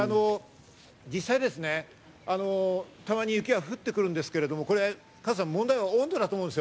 実際、たまに雪が降ってくるんですけれども、加藤さん、問題は温度だと思うんです。